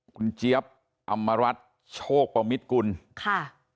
คุณเจี๊ยบอำมารัฐโชคประมิตกุลค่ะ